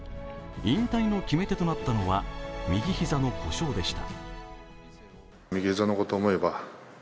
引退の決め手となったのは、右ひざの故障でした。